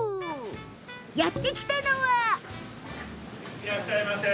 やって来たのは。